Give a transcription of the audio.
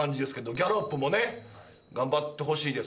ギャロップもね頑張ってほしいです。